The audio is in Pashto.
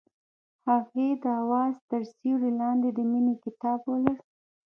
هغې د اواز تر سیوري لاندې د مینې کتاب ولوست.